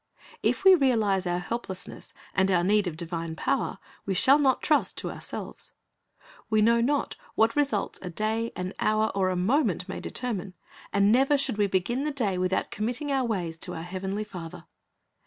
If we realize our helplessness and our need of divine power, we shall not trust to ourselves. We know not what results a day, an hour, or a moment may determine, and ne\'er should we begin the day without committing our ways to our Heavenly Father.